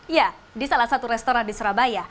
ya di salah satu restoran di surabaya